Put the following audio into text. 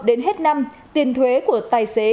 đến hết năm tiền thuế của tài xế